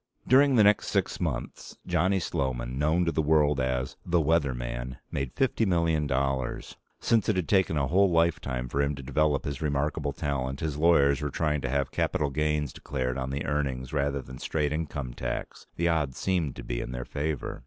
During the next six months, Johnny Sloman known to the world as The Weather Man made fifty million dollars. Since it had taken a whole lifetime for him to develop his remarkable talent, his lawyers were trying to have capital gains declared on the earnings rather than straight income tax. The odds seemed to be in their favor.